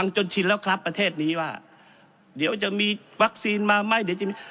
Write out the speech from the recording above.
จนชินแล้วครับประเทศนี้ว่าเดี๋ยวจะมีวัคซีนมาไหมเดี๋ยวจะมี